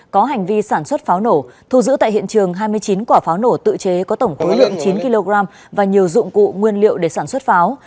có hành vi sản xuất pháo nổ thu giữ tại hiện trường hai mươi chín quả pháo nổ tự chế có tổng khối lượng chín kg và nhiều dụng cụ nguyên liệu để sản xuất pháo